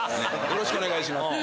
よろしくお願いします。